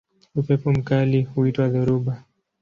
Upepo mkali huitwa dhoruba.